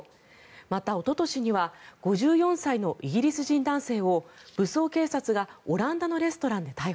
また、おととしには５４歳のイギリス人男性を武装警察がオランダのレストランで逮捕。